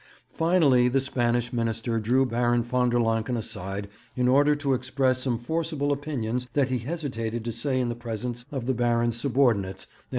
Finally the Spanish Minister drew Baron von der Lancken aside in order to express some forcible opinions that he hesitated to say in the presence of the Baron's subordinates and M.